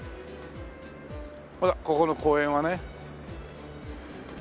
ほらここの公園はね。